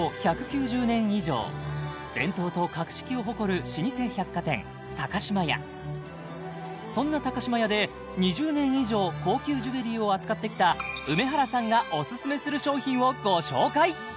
伝統と格式を誇る老舗百貨店島屋そんな島屋で２０年以上高級ジュエリーを扱ってきた梅原さんがオススメする商品をご紹介